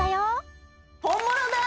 本物だ！